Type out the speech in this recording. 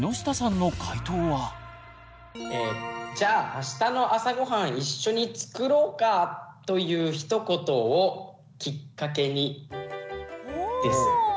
一方「『じゃあ明日の朝ごはん一緒に作ろうか！』というひと言をキッカケに」です。